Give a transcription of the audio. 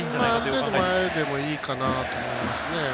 ある程度前でもいいかなと思いますね。